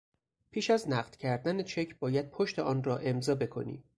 پیش از نقد کردن چک باید پشت آن را امضا بکنی.